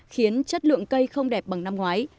khiến chất lượng cây không đẹp bằng năm ngoái